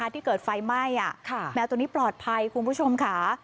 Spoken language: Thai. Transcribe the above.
ที่เกิดไฟไหม้แมวตัวนี้ปลอดภัยคุณผู้ชมค่ะ